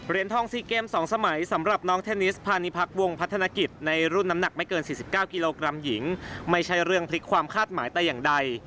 ทอง๔เกม๒สมัยสำหรับน้องเทนนิสพาณิพักษวงพัฒนกิจในรุ่นน้ำหนักไม่เกิน๔๙กิโลกรัมหญิงไม่ใช่เรื่องพลิกความคาดหมายแต่อย่างใด